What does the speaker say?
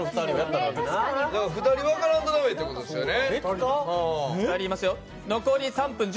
２人分からんと駄目やってことですよね。